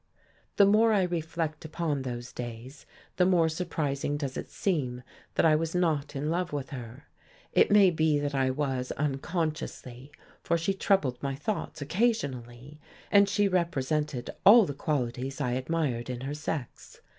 The more I reflect upon those days, the more surprising does it seem that I was not in love with her. It may be that I was, unconsciously, for she troubled my thoughts occasionally, and she represented all the qualities I admired in her sex.